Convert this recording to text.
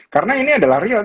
karena ini adalah real